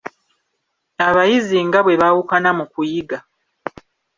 Abayizi nga bwe baawukana mu kuyiga.